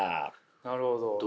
なるほど。